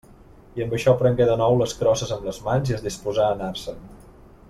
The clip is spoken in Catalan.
I amb això prengué de nou les crosses amb les mans i es disposà a anar-se'n.